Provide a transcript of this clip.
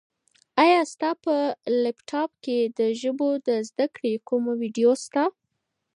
ایا ستا په لیپټاپ کي د ژبو د زده کړې کومه ویډیو شته؟